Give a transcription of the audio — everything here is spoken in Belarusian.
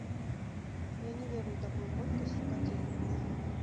Я не веру ў такую колькасць супадзенняў.